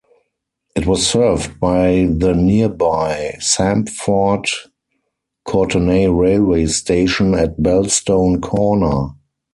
It was served by the nearby Sampford Courtenay railway station at Belstone Corner.